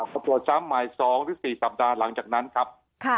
ก็ตรวจสร้างหมาย๒๔สัปดาห์หลังจากนั้นครับ